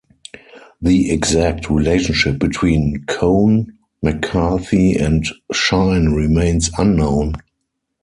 The exact relationship between Cohn, McCarthy and Schine remains unknown.